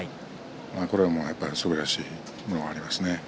これもすばらしいものがありますね。